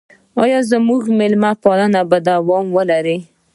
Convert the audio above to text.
آیا زموږ میلمه پالنه به دوام ولري؟